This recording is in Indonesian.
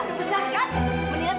kamu sudah lihat semua semuanya kan